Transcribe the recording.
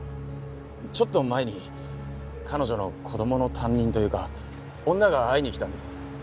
ちょっと前に彼女の子供の担任というか女が会いに来たんです。